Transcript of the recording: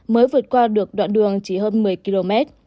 mới vượt qua được đoạn đường chỉ hơn một mươi km